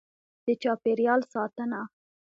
. د چاپېریال ساتنه: